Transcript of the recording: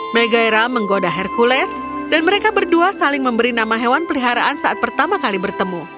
megaira menggoda hercules dan mereka berdua saling memberi nama hewan peliharaan saat pertama kali bertemu